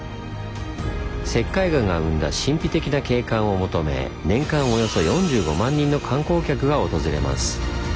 石灰岩が生んだ神秘的な景観を求め年間およそ４５万人の観光客が訪れます。